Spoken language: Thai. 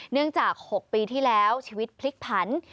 เนื่องจาก๖ปีที่แล้วชีวิตพลิกพันธุ์